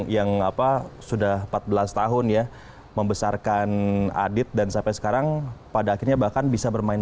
yang apa sudah empat belas tahun ya membesarkan adit dan sampai sekarang pada akhirnya bahkan bisa bermain